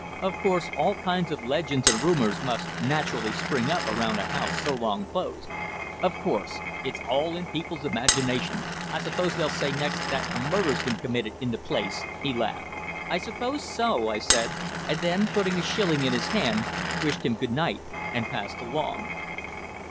"Of course all kinds of legends and rumours must naturally spring up around a house so long closed." "Of course. It's all in people's imagination. I suppose they'll say next that a murder's been committed in the place!" he laughed. "I suppose so," I said, and then, putting a shilling in his hand, wished him good night, and passed along.